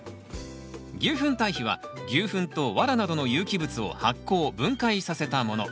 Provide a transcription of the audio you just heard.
牛ふん堆肥は牛ふんとワラなどの有機物を発酵分解させたもの。